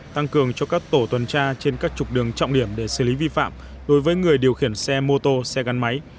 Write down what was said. tăng cường cho các tổ tuần tra trên các trục đường trọng điểm để xử lý vi phạm đối với người điều khiển xe mô tô xe gắn máy